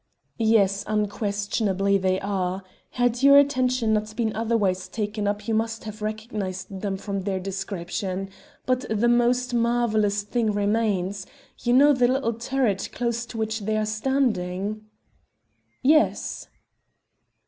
"Yes, unquestionably they are. Had your attention not been otherwise taken up you must have recognized them from their description. But the most marvellous thing remains. You know the little turret close to which they are standing?" "Yes."